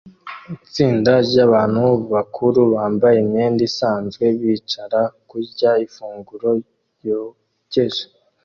Itsinda ryabantu bakuru bambaye imyenda isanzwe bicara kurya ifunguro ryokeje